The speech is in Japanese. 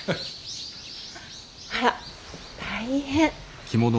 あら大変。